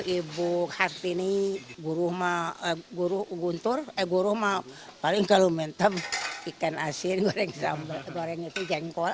ibu hartini guru guntur guru guntur eh guru mah paling kalau mentem ikan asin goreng sambal goreng itu jengkol